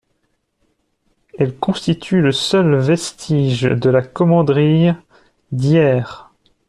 Elle constitue le seul vestige de la commanderie d'Hyères.